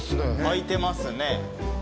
開いてますね。